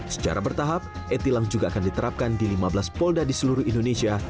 secara bertahap e tilang juga akan diterapkan di lima belas polda di seluruh indonesia